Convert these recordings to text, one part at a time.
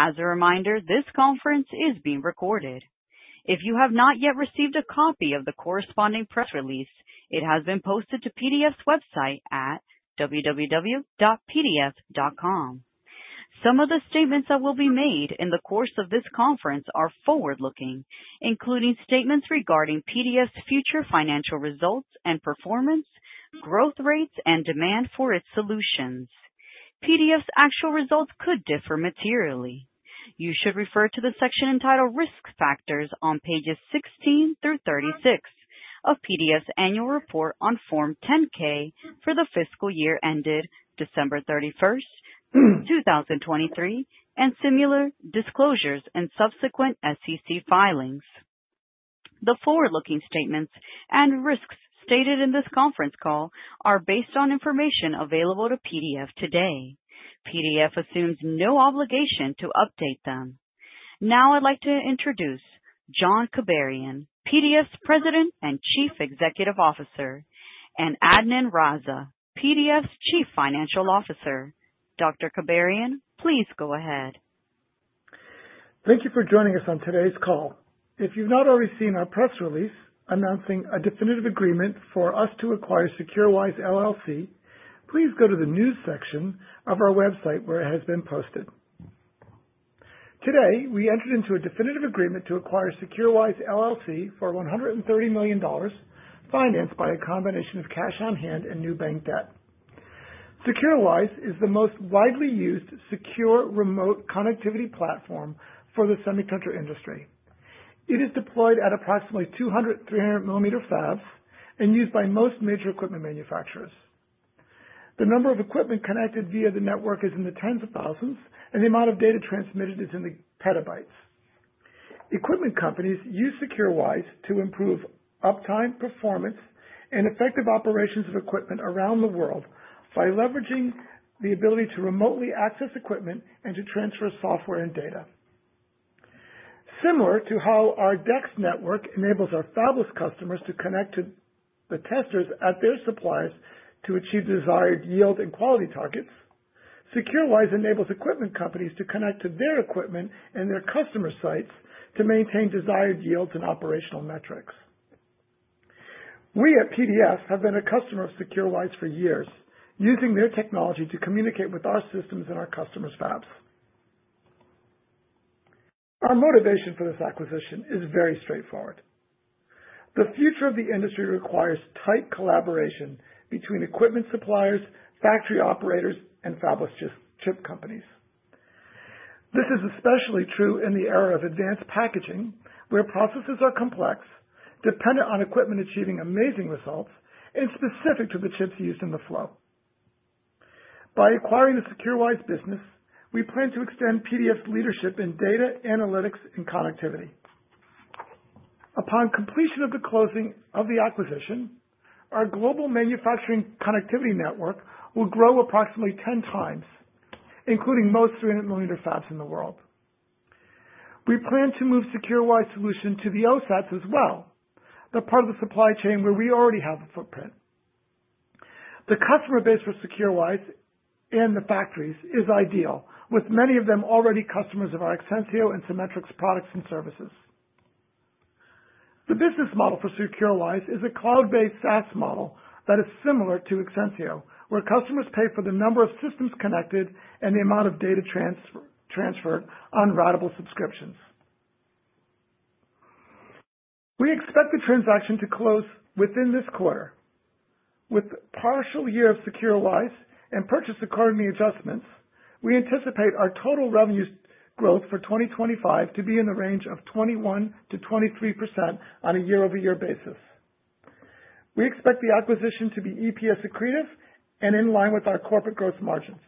As a reminder, this conference is being recorded. If you have not yet received a copy of the corresponding press release, it has been posted to PDF's website at www.pdf.com. Some of the statements that will be made in the course of this conference are forward-looking, including statements regarding PDF's future financial results and performance, growth rates, and demand for its solutions. PDF's actual results could differ materially. You should refer to the section entitled Risk Factors on pages 16 through 36 of PDF's annual report on Form 10-K for the fiscal year ended December 31st, 2023, and similar disclosures and subsequent SEC filings. The forward-looking statements and risks stated in this conference call are based on information available to PDF today. PDF assumes no obligation to update them. Now, I'd like to introduce John Kibarian, PDF's President and Chief Executive Officer, and Adnan Raza, PDF's Chief Financial Officer. Dr. Kibarian, please go ahead. Thank you for joining us on today's call. If you've not already seen our press release announcing a definitive agreement for us to acquire SecureWISE LLC, please go to the news section of our website where it has been posted. Today, we entered into a definitive agreement to acquire SecureWISE LLC for $130 million financed by a combination of cash on hand and new bank debt. SecureWISE is the most widely used secure remote connectivity platform for the semiconductor industry. It is deployed at approximately 200mm, 300mm fabs and used by most major equipment manufacturers. The number of equipment connected via the network is in the tens of thousands, and the amount of data transmitted is in the PB. Equipment companies use SecureWISE to improve uptime, performance, and effective operations of equipment around the world by leveraging the ability to remotely access equipment and to transfer software and data. Similar to how our DEX network enables our fabless customers to connect to the testers at their suppliers to achieve desired yield and quality targets, SecureWISE enables equipment companies to connect to their equipment and their customer sites to maintain desired yields and operational metrics. We at PDF have been a customer of SecureWISE for years, using their technology to communicate with our systems and our customers' fabs. Our motivation for this acquisition is very straightforward. The future of the industry requires tight collaboration between equipment suppliers, factory operators, and fabless chip companies. This is especially true in the era of advanced packaging, where processes are complex, dependent on equipment achieving amazing results, and specific to the chips used in the flow. By acquiring the SecureWISE business, we plan to extend PDF's leadership in data, analytics, and connectivity. Upon completion of the closing of the acquisition, our global manufacturing connectivity network will grow approximately 10x, including most 300mm fabs in the world. We plan to move SecureWISE solution to the OSATs as well, the part of the supply chain where we already have a footprint. The customer base for SecureWISE and the factories is ideal, with many of them already customers of our Exensio and Cimetrix products and services. The business model for SecureWISE is a cloud-based SaaS model that is similar to Exensio, where customers pay for the number of systems connected and the amount of data transferred on ratable subscriptions. We expect the transaction to close within this quarter. With the partial year of SecureWISE and purchase according to the adjustments, we anticipate our total revenue growth for 2025 to be in the range of 21%-23% on a year-over-year basis. We expect the acquisition to be EPS accretive and in line with our corporate growth margins.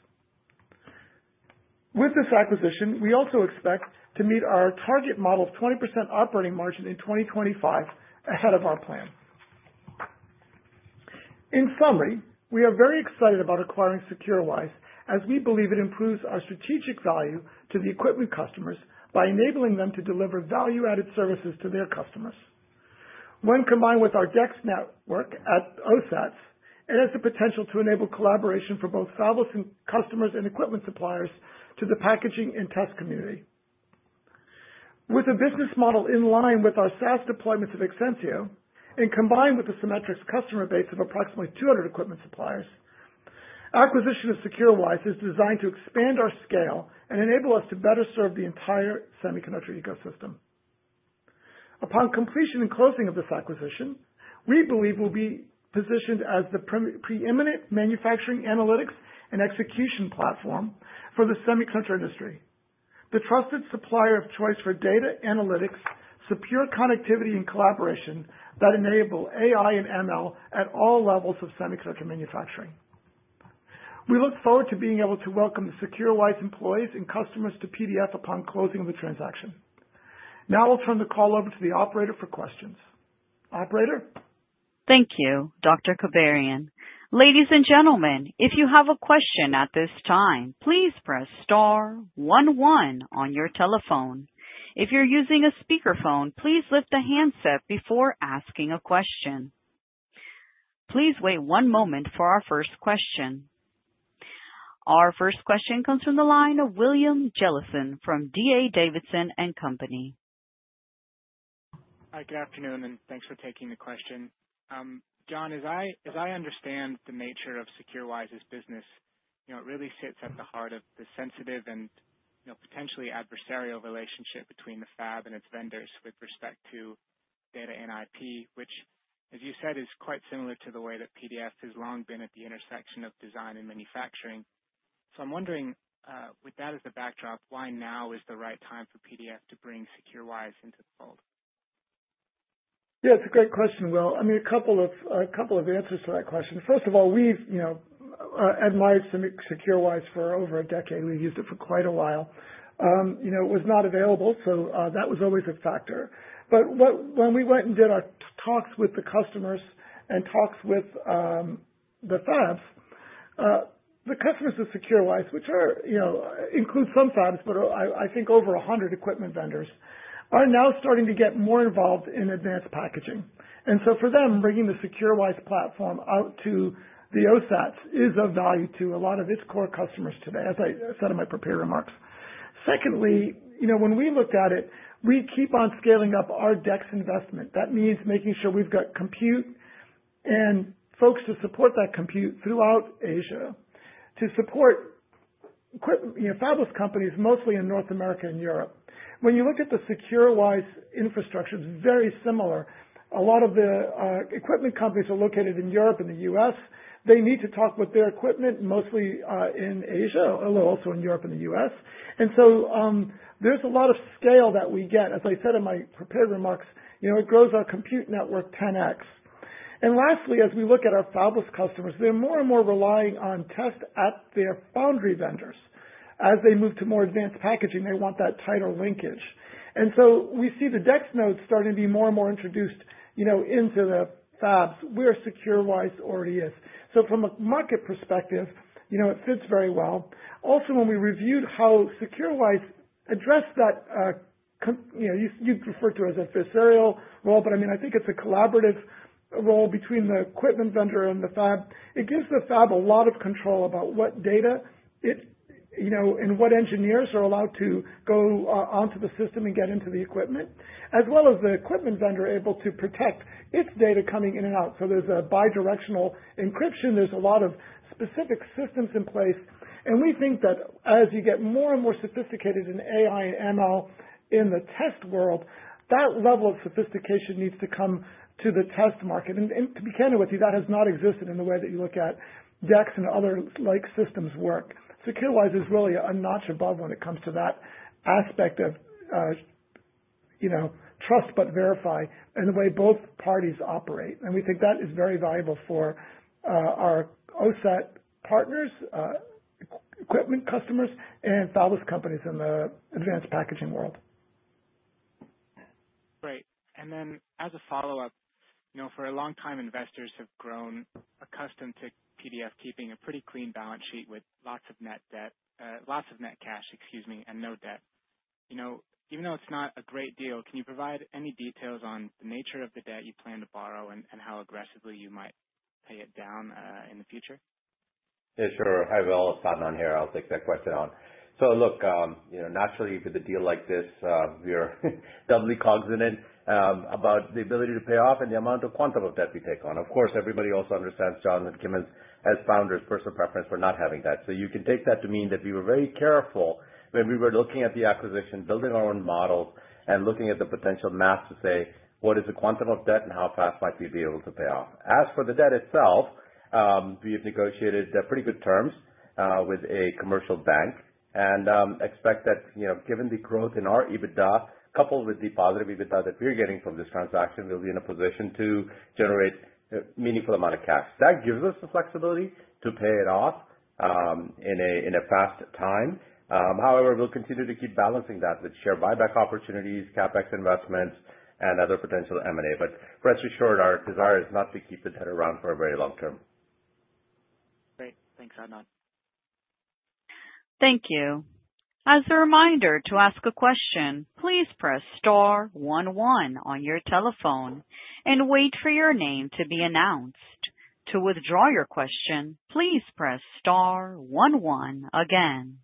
With this acquisition, we also expect to meet our target model of 20% operating margin in 2025 ahead of our plan. In summary, we are very excited about acquiring SecureWISE as we believe it improves our strategic value to the equipment customers by enabling them to deliver value-added services to their customers. When combined with our DEX network at OSATs, it has the potential to enable collaboration for both fabless customers and equipment suppliers to the packaging and test community. With a business model in line with our SaaS deployments of Exensio and combined with the Cimetrix customer base of approximately 200 equipment suppliers, acquisition of SecureWISE is designed to expand our scale and enable us to better serve the entire semiconductor ecosystem. Upon completion and closing of this acquisition, we believe we'll be positioned as the preeminent manufacturing analytics and execution platform for the semiconductor industry, the trusted supplier of choice for data analytics, secure connectivity, and collaboration that enable AI and ML at all levels of semiconductor manufacturing. We look forward to being able to welcome the SecureWISE employees and customers to PDF upon closing of the transaction. Now, I'll turn the call over to the operator for questions. Operator. Thank you, Dr. Kibarian. Ladies and gentlemen, if you have a question at this time, please press star one one on your telephone. If you're using a speakerphone, please lift the handset before asking a question. Please wait one moment for our first question. Our first question comes from the line of William Jellison from D.A. Davidson and Company. Good afternoon, and thanks for taking the question. John, as I understand the nature of SecureWISE's business, it really sits at the heart of the sensitive and potentially adversarial relationship between the fab and its vendors with respect to data and IP, which, as you said, is quite similar to the way that PDF has long been at the intersection of design and manufacturing. So I'm wondering, with that as the backdrop, why now is the right time for PDF to bring SecureWISE into the fold? Yeah, it's a great question, Will. I mean, a couple of answers to that question. First of all, we've admired SecureWISE for over a decade. We've used it for quite a while. It was not available, so that was always a factor. But when we went and did our talks with the customers and talks with the fabs, the customers of SecureWISE, which includes some fabs, but I think over 100 equipment vendors, are now starting to get more involved in advanced packaging. And so for them, bringing the SecureWISE platform out to the OSATs is of value to a lot of its core customers today, as I said in my prepared remarks. Secondly, when we looked at it, we keep on scaling up our DEX investment. That means making sure we've got compute and folks to support that compute throughout Asia to support fabless companies, mostly in North America and Europe. When you look at the SecureWISE infrastructure, it's very similar. A lot of the equipment companies are located in Europe and the U.S.. They need to talk with their equipment mostly in Asia, a little also in Europe and the U.S.. And so there's a lot of scale that we get. As I said in my prepared remarks, it grows our compute network 10x. And lastly, as we look at our fabless customers, they're more and more relying on test at their foundry vendors. As they move to more advanced packaging, they want that tighter linkage. And so we see the DEX nodes starting to be more and more introduced into the fabs where SecureWISE already is. So from a market perspective, it fits very well. Also, when we reviewed how SecureWISE addressed that, you'd refer to it as an adversarial role, but I mean, I think it's a collaborative role between the equipment vendor and the fab. It gives the fab a lot of control about what data and what engineers are allowed to go onto the system and get into the equipment, as well as the equipment vendor able to protect its data coming in and out. So there's a bidirectional encryption. There's a lot of specific systems in place. And we think that as you get more and more sophisticated in AI and ML in the test world, that level of sophistication needs to come to the test market. And to be candid with you, that has not existed in the way that you look at DEX and other like systems work. SecureWISE is really a notch above when it comes to that aspect of trust but verify in the way both parties operate. And we think that is very valuable for our OSAT partners, equipment customers, and fabless companies in the advanced packaging world. Great. And then as a follow-up, for a long time, investors have grown accustomed to PDF keeping a pretty clean balance sheet with lots of net cash, excuse me, and no debt. Even though it's not a great deal, can you provide any details on the nature of the debt you plan to borrow and how aggressively you might pay it down in the future? Yeah, sure. Hi, Will. It's Adnan here. I'll take that question on. So look, naturally, with a deal like this, we are doubly cognizant about the ability to pay off and the amount of quantum of debt we take on. Of course, everybody also understands, John and Kimon's, as founder's, personal preference for not having debt. So you can take that to mean that we were very careful when we were looking at the acquisition, building our own models, and looking at the potential math to say, what is the quantum of debt and how fast might we be able to pay off? As for the debt itself, we have negotiated pretty good terms with a commercial bank and expect that given the growth in our EBITDA, coupled with the positive EBITDA that we're getting from this transaction, we'll be in a position to generate a meaningful amount of cash. That gives us the flexibility to pay it off in a fast time. However, we'll continue to keep balancing that with share buyback opportunities, CapEx investments, and other potential M&A. But rest assured, our desire is not to keep the debt around for a very long term. Great. Thanks, Adnan. Thank you. As a reminder to ask a question, please press star one one on your telephone and wait for your name to be announced. To withdraw your question, please press star one one again.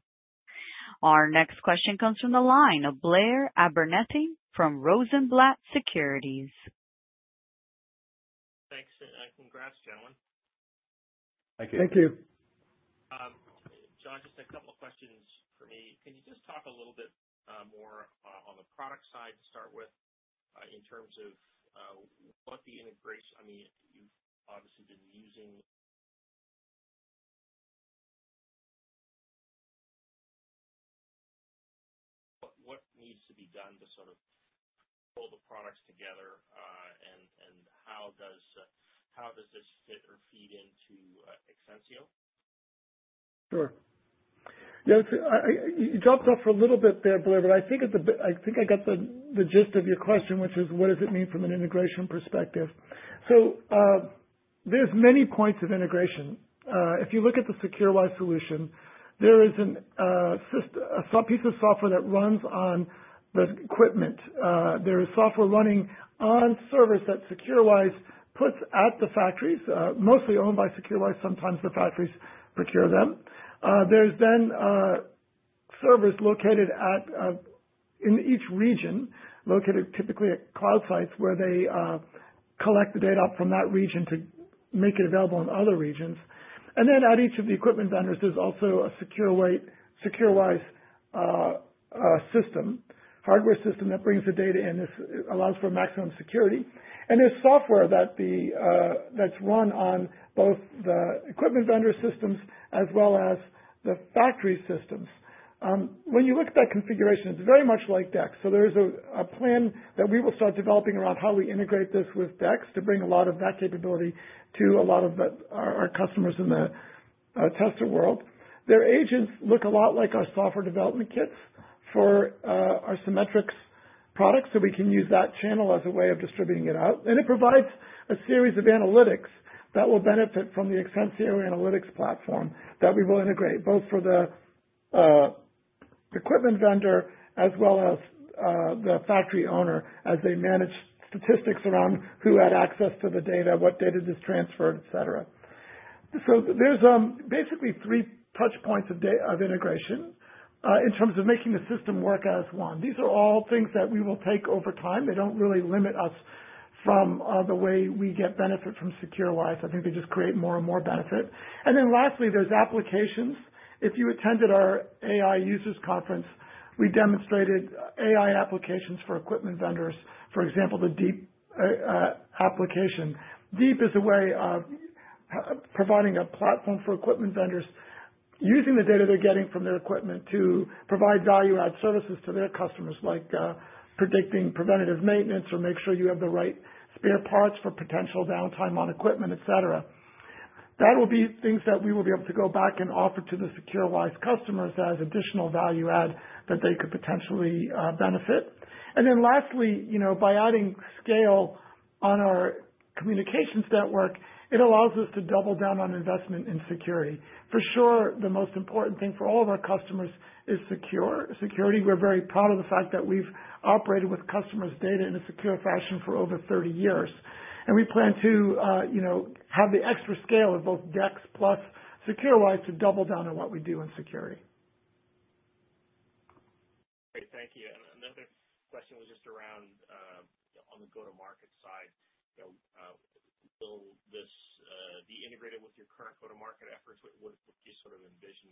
Our next question comes from the line of Blair Abernethy from Rosenblatt Securities. Thanks, and congrats, gentlemen. Thank you. Thank you. John, just a couple of questions for me. Can you just talk a little bit more on the product side to start with in terms of what the integration, I mean, you've obviously been using, what needs to be done to sort of pull the products together and how does this fit or feed into Exensio? Sure. You dropped off for a little bit there, Blair, but I think I got the gist of your question, which is, what does it mean from an integration perspective? So there's many points of integration. If you look at the SecureWISE solution, there is a piece of software that runs on the equipment. There is software running on servers that SecureWISE puts at the factories, mostly owned by SecureWISE. Sometimes the factories procure them. There's then servers located in each region, located typically at cloud sites where they collect the data up from that region to make it available in other regions. And then at each of the equipment vendors, there's also a SecureWISE system, hardware system that brings the data in. This allows for maximum security. And there's software that's run on both the equipment vendor systems as well as the factory systems. When you look at that configuration, it's very much like DEX, so there is a plan that we will start developing around how we integrate this with DEX to bring a lot of that capability to a lot of our customers in the test world. Their agents look a lot like our software development kits for our Cimetrix products, so we can use that channel as a way of distributing it out, and it provides a series of analytics that will benefit from the Exensio analytics platform that we will integrate both for the equipment vendor as well as the factory owner as they manage statistics around who had access to the data, what data is transferred, et cetera, so there's basically three touch points of integration in terms of making the system work as one. These are all things that we will take over time. They don't really limit us from the way we get benefit from SecureWISE. I think they just create more and more benefit. And then lastly, there's applications. If you attended our AI users conference, we demonstrated AI applications for equipment vendors, for example, the Deep application. Deep is a way of providing a platform for equipment vendors using the data they're getting from their equipment to provide value-add services to their customers, like predicting preventative maintenance or making sure you have the right spare parts for potential downtime on equipment, etc. That will be things that we will be able to go back and offer to the SecureWISE customers as additional value-add that they could potentially benefit. And then lastly, by adding scale on our communications network, it allows us to double down on investment in security. For sure, the most important thing for all of our customers is security. We're very proud of the fact that we've operated with customers' data in a secure fashion for over 30 years, and we plan to have the extra scale of both DEX plus SecureWISE to double down on what we do in security. Great. Thank you. And another question was just around on the go-to-market side, will this be integrated with your current go-to-market efforts? What do you sort of envision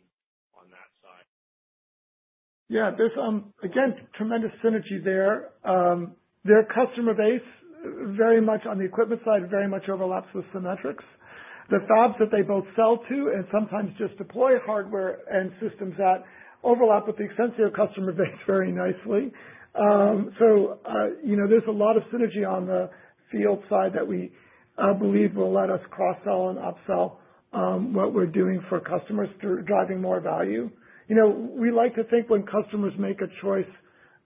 on that side? Yeah. There's, again, tremendous synergy there. Their customer base very much on the equipment side very much overlaps with Cimetrix. The fabs that they both sell to and sometimes just deploy hardware and systems at overlap with the Exensio customer base very nicely. So there's a lot of synergy on the field side that we believe will let us cross-sell and upsell what we're doing for customers through driving more value. We like to think when customers make a choice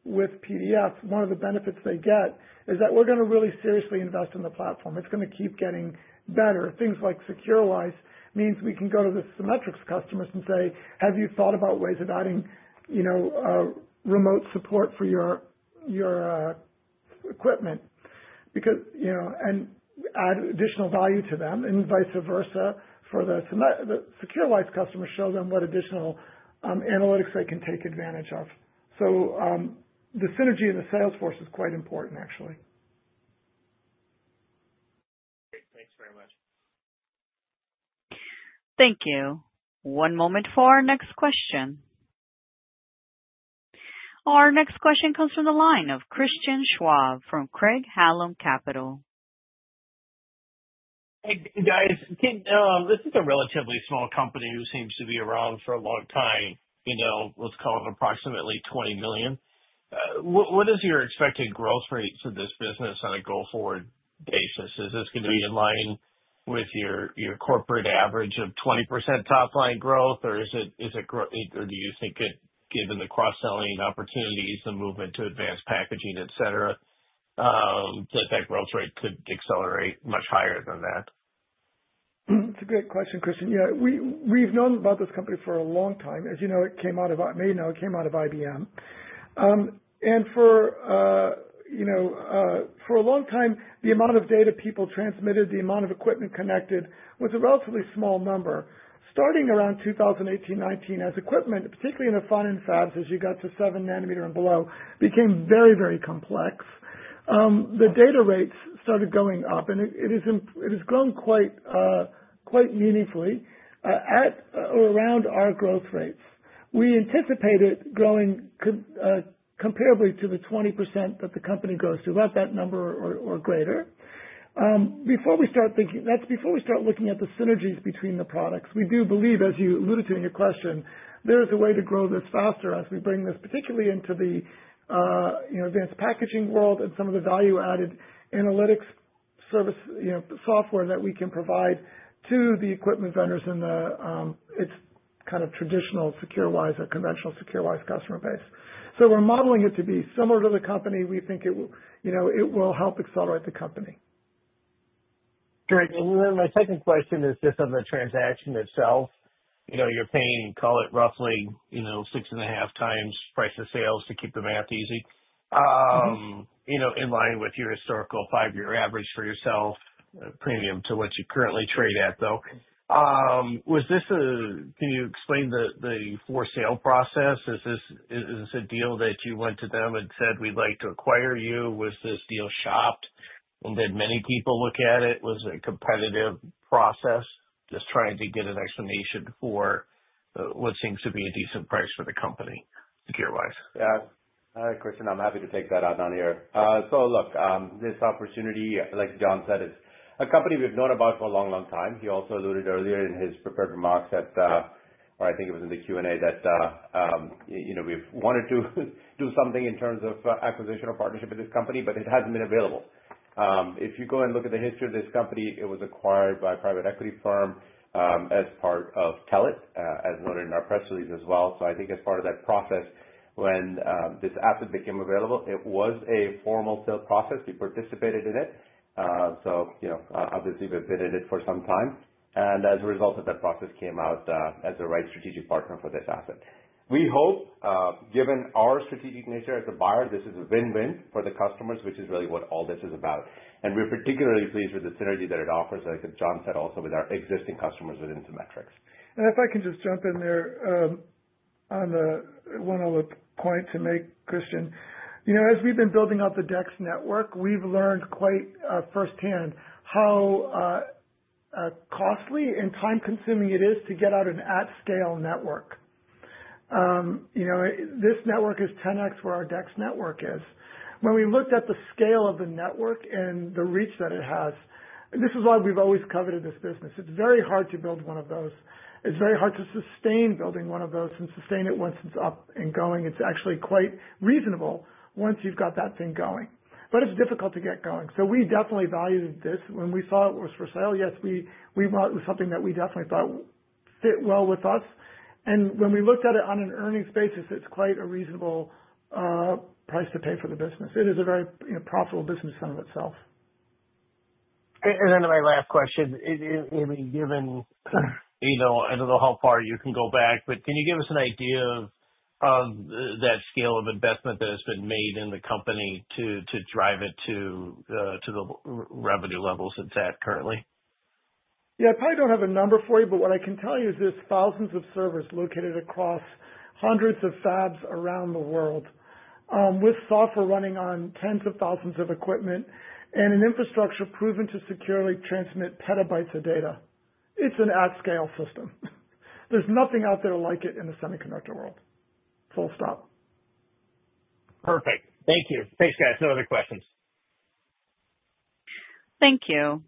with PDF, one of the benefits they get is that we're going to really seriously invest in the platform. It's going to keep getting better. Things like SecureWISE means we can go to the Cimetrix customers and say, "Have you thought about ways of adding remote support for your equipment?" And add additional value to them and vice versa for the SecureWISE customers, show them what additional analytics they can take advantage of. So the synergy in the salesforce is quite important, actually. Great. Thanks very much. Thank you. One moment for our next question. Our next question comes from the line of Christian Schwab from Craig-Hallum Capital. Hey, guys. This is a relatively small company who seems to be around for a long time. Let's call it approximately $20 million. What is your expected growth rate for this business on a go-forward basis? Is this going to be in line with your corporate average of 20% top-line growth, or do you think that given the cross-selling opportunities, the movement to advanced packaging, et cetera, that that growth rate could accelerate much higher than that? That's a great question, Christian. Yeah. We've known about this company for a long time. As you know, it came out of, I mean, it came out of IBM. And for a long time, the amount of data people transmitted, the amount of equipment connected, was a relatively small number. Starting around 2018, 2019, as equipment, particularly in the FinFET fabs, as you got to s and below, became very, very complex. The data rates started going up, and it has grown quite meaningfully at or around our growth rates. We anticipated growing comparably to the 20% that the company grows to, about that number or greater. Before we start thinking, that's before we start looking at the synergies between the products, we do believe, as you alluded to in your question, there is a way to grow this faster as we bring this particularly into the advanced packaging world and some of the value-added analytics software that we can provide to the equipment vendors and it's kind of traditional SecureWISE or conventional SecureWISE customer base, so we're modeling it to be similar to the company. We think it will help accelerate the company. Great. And then my second question is just on the transaction itself. You're paying, call it roughly six and a half times price-to-sales to keep the math easy, in line with your historical five-year average for yourself, premium to what you currently trade at, though. Can you explain the sale process? Is this a deal that you went to them and said, "We'd like to acquire you"? Was this deal shopped? And did many people look at it? Was it a competitive process? Just trying to get an explanation for what seems to be a decent price for the company, SecureWISE. Yeah. All right, Christian. I'm happy to take that, Adnan, here. So look, this opportunity, like John said, is a company we've known about for a long, long time. He also alluded earlier in his prepared remarks at, or I think it was in the Q&A, that we've wanted to do something in terms of acquisition or partnership with this company, but it hasn't been available. If you go and look at the history of this company, it was acquired by a private equity firm as part of Telit, as noted in our press release as well. So I think as part of that process, when this asset became available, it was a formal sale process. We participated in it. So obviously, we've been in it for some time. And as a result of that process, came out as the right strategic partner for this asset. We hope, given our strategic nature as a buyer, this is a win-win for the customers, which is really what all this is about. We're particularly pleased with the synergy that it offers, like John said, also with our existing customers within Cimetrix. If I can just jump in there on the one other point to make, Christian. As we've been building out the DEX network, we've learned quite firsthand how costly and time-consuming it is to get an at-scale network. This network is 10x where our DEX network is. When we looked at the scale of the network and the reach that it has, and this is why we've always coveted this business. It's very hard to build one of those. It's very hard to sustain building one of those and sustain it once it's up and going. It's actually quite reasonable once you've got that thing going. But it's difficult to get going. So we definitely valued this. When we saw it was for sale, yes, it was something that we definitely thought fit well with us. When we looked at it on an earnings basis, it's quite a reasonable price to pay for the business. It is a very profitable business in and of itself. And then my last question, given, I don't know how far you can go back, but can you give us an idea of that scale of investment that has been made in the company to drive it to the revenue levels it's at currently? Yeah. I probably don't have a number for you, but what I can tell you is there's thousands of servers located across hundreds of fabs around the world with software running on tens of thousands of equipment and an infrastructure proven to securely transmit PB of data. It's an at-scale system. There's nothing out there like it in the semiconductor world. Full stop. Perfect. Thank you. Thanks, guys. No other questions. Thank you.